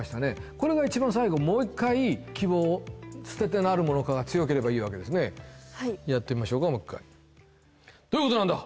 これが一番最後もう一回希望を捨ててなるものかが強ければいいわけですねはいやってみましょうかもう一回どういうことなんだ！